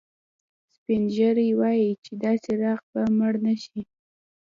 سپین ږیری وایي چې دا څراغ به مړ نه شي